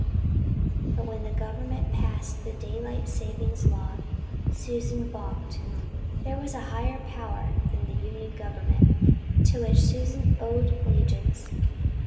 But when the Government passed the Daylight Saving law Susan balked. There was a Higher Power than the Union Government, to which Susan owed allegiance.